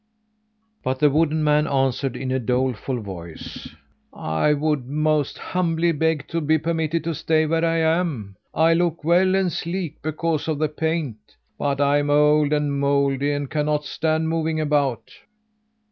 But the wooden man answered in a doleful voice: "I would most humbly beg to be permitted to stay where I am. I look well and sleek because of the paint, but I'm old and mouldy, and cannot stand moving about."